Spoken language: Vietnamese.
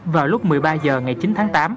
vào lúc một mươi ba h ngày chín tháng tám